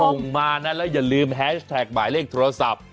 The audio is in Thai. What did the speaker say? ส่งมานะแล้วอย่าลืมแฮชแท็กหมายเลขโทรศัพท์